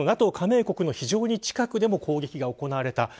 その非常に近くでも攻撃が行われた。